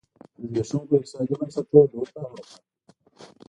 د زبېښونکو اقتصادي بنسټونو لور ته حرکت و